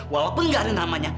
walaupun gak ada namanya